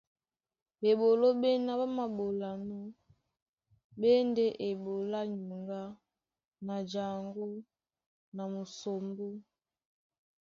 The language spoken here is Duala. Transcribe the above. Bɓeɓoló ɓéná ɓá māɓolanɔ́ ɓé e ndé eɓoló á nyuŋgá na jaŋgó na musombó.